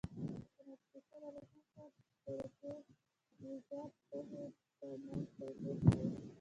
د مکسیکو د ولسمشر پورفیرو دیاز پوهې ترمنځ توپیر نه و.